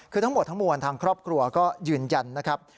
คือทั้งหมดทั้งมวลทางครอบครัวก็ยืนยันนะครับ